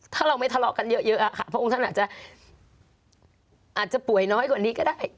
ถ้าเราไม่ทะเลาะกันเยอะค่ะพระองค์ท่านอาจจะอาจจะป่วยน้อยกว่านี้ก็ได้